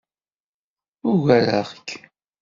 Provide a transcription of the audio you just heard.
Ugareɣ-k.